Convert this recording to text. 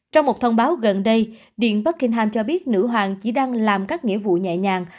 trong một thông báo gần đây điện buckingham cho biết nữ hoàng chỉ đang làm các nghĩa vụ nhẹ nhàng